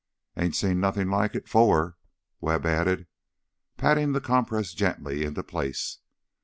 "Ain't seen nothin' like it 'fore," Webb added, patting the compress gently into place.